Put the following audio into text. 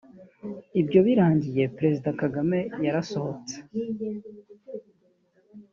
Ibyo birangiye Perezida Kagame yasohotse